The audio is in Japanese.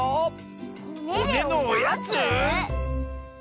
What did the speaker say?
ほねのおやつ？